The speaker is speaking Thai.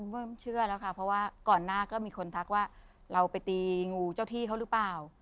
เริ่มเชื่อแล้วค่ะเพราะว่าก่อนหน้าก็มีคนทักว่าเราไปตีงูเจ้าที่เขาหรือเปล่า